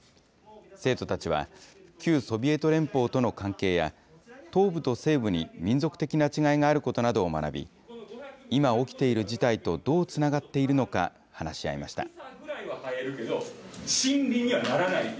生徒たちは、旧ソビエト連邦との関係や、東部と西部に民族的な違いがあることなどを学び、今起きている事態とどうつながっているのか、話し合いました。